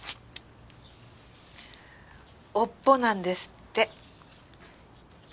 尾っぽなんですって。